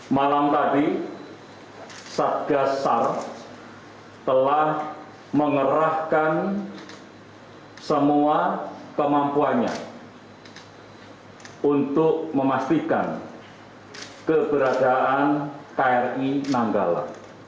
malam tadi satgas sar telah mengerahkan semua kemampuannya untuk memastikan keberadaan kri nanggala